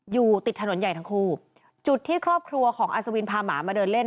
อยู่ติดถนนใหญ่ทั้งคู่จุดที่ครอบครัวของอัศวินพาหมามาเดินเล่น